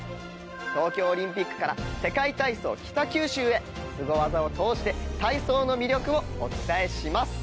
東京オリンピックから世界体操北九州へスゴ技を通して体操の魅力をお伝えします。